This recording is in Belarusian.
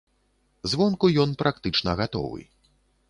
Звонку ён практычна гатовы.